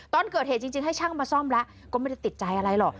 ตอนเกิดเหตุจริงให้ช่างมาซ่อมแล้วก็ไม่ได้ติดใจอะไรหรอก